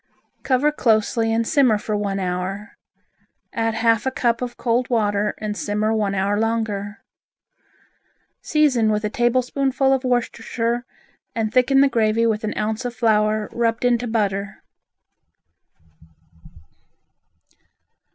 Cover closely and simmer for one hour, add half a cup of cold water and simmer one hour longer. Season with a tablespoonful of Worcestershire and thicken the gravy with an ounce of flour rubbed into butter.